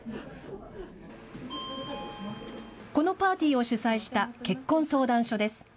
このパーティーを主催した結婚相談所です。